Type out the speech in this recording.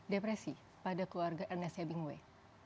depresi pada keluarga ernest hemingway